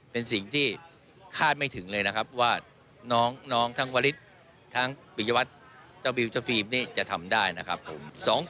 เป็นสิ่งที่คาดไม่ถึงเลยนะครับว่าน้องทั้งวริสทั้งปิยวัตรเจ้าบิวเจ้าฟิล์มนี่จะทำได้นะครับผม